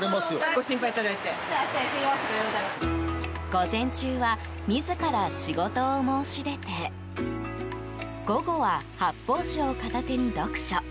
午前中は自ら仕事を申し出て午後は発泡酒を片手に読書。